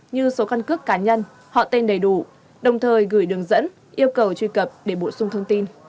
như số căn cước cá nhân họ tên đầy đủ đồng thời gửi đường dẫn yêu cầu truy cập để bổ sung thông tin